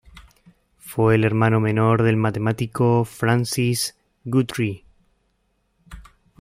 Fue el hermano menor del matemático Francis Guthrie.